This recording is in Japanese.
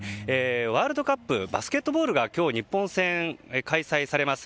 ワールドカップバスケットボールが今日、日本戦開催されます。